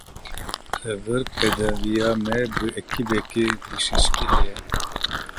Li vir pêdiviya me bi ekîbeke bijîşkî heye.